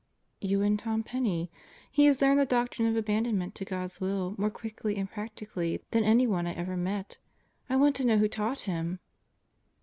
"You and Tom Penney. He has learned the Doctrine of Aban donment to God's Will more quickly and practically than anyone I ever met. I want to know who taught him."